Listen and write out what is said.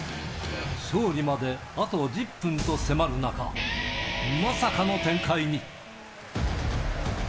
勝利まであと１０分と迫る中、まさかの展開に。